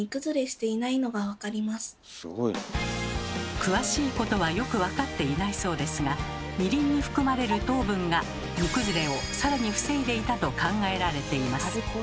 詳しいことはよく分かっていないそうですがみりんに含まれる糖分が煮崩れをさらに防いでいたと考えられています。